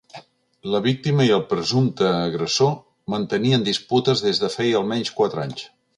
La víctima i el presumpte agressor mantenien disputes des de feia almenys quatre anys.